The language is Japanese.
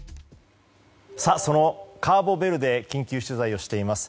そのカーボベルデ緊急取材をしています。